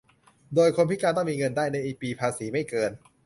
โดยคนพิการต้องมีเงินได้ในปีภาษีไม่เกิน